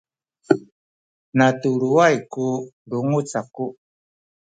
natuluway ku lunguc aku